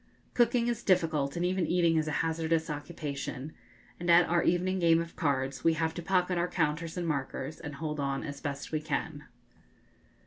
Cooking is difficult, and even eating is a hazardous occupation; and at our evening game of cards we have to pocket our counters and markers and hold on as best we can.